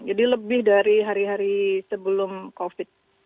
jadi lebih dari hari hari sebelum covid sembilan belas